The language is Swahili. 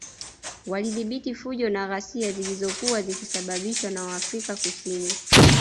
Walidhibiti fujo na ghasia zilozokuwa zikisababishwa na waafrika Kusin